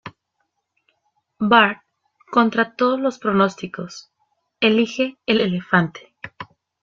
Bart, contra todos los pronósticos, elige el elefante.